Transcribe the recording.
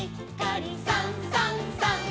「さんさんさん」